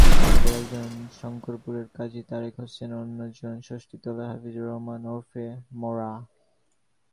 তাঁদের একজন শঙ্করপুরের কাজী তারেক হোসেন, অন্যজন ষষ্ঠীতলার হাফিজুর রহমান ওরফে মরা।